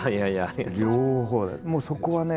もうそこはね